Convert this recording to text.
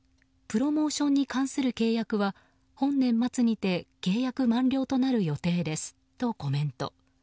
プロモーションに関する契約は本年末にて契約満了となる予定ですとコメント。